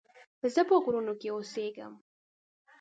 زه په غرونو کې اوسيږم